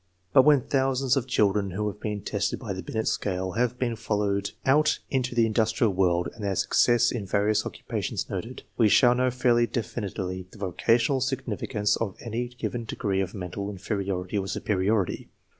But when thousands of children who have been tested by the Binet scale have been followed out into the industrial world, and their success in various occupations noted, we shall know fairly definitely the vocational significance of any given degree of mental inferiority or superiority.